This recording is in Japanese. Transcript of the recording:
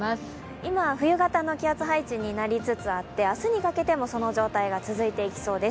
今、冬型の気圧配置になりつつあって、明日にかけてもその状態が続きそうです。